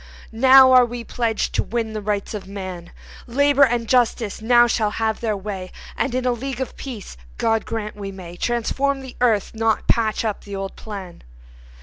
Now are we pledged to win the Rights of man; Labor and Justice now shall have their way, And in a League of Peace God grant we may Transform the earth, not patch up the old plan.